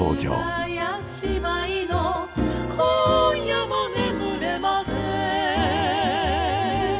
ヨルガヤ姉妹の今夜も眠れません